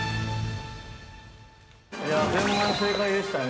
◆いや、全問正解でしたね。